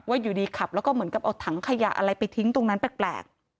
อยู่ดีขับแล้วก็เหมือนกับเอาถังขยะอะไรไปทิ้งตรงนั้นแปลก